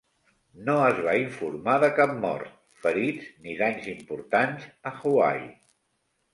No es va informar de cap mort, ferits ni danys importants a Hawaii.